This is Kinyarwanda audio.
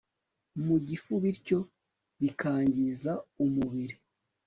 mu gifu bityo bikangiza umubiri